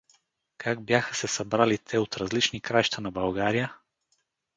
Как бяха се събрали те от различни краища на България?